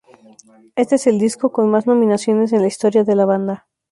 Este es el disco con más nominaciones en la historia de la banda.